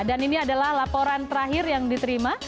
dan ini adalah laporan terakhir yang diterima